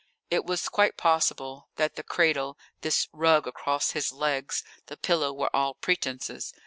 _] It was quite possible that the cradle, this rug across his legs, the pillow, were all pretences.